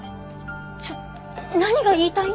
ちょっ何が言いたい。